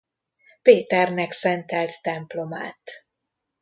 Péternek szentelt templomát.